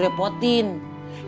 sama sekali gak ngerasa direpotin